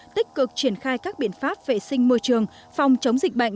tích cực triển khai các biện pháp vệ sinh môi trường phòng chống dịch bệnh